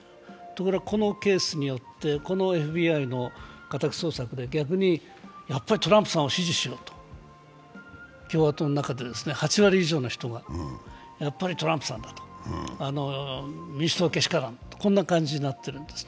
ところがこのケースによって、このＦＢＩの家宅捜索で逆にやっぱりトランプさんを支持しようと、共和党の中で８割以上の人が、やっぱりトランプさんだと、民主党けしからんというふうになってるんです。